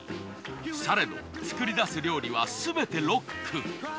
されど作り出す料理はすべてロック。